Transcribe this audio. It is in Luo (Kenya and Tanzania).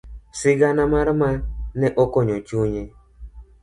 Sigana mar Ma ne okonyo chunye.